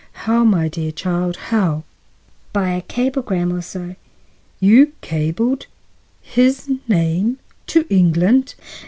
"How, my dear child, how?" "By a cablegram or so." "You—cabled—his name—to England?"